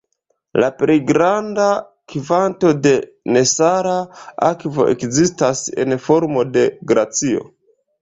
La plej granda kvanto de nesala akvo ekzistas en formo de glacio.